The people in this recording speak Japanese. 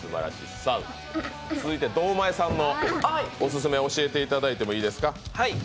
続いて堂前さんのオススメ教えていただいていいですか。